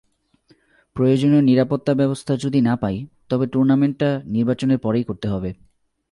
প্রয়োজনীয় নিরাপত্তাব্যবস্থা যদি না পাই, তবে টুর্নামেন্টটা নির্বাচনের পরেই করতে হবে।